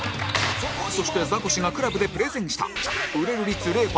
そしてザコシが ＣＬＵＢ でプレゼンした売れる率 ０％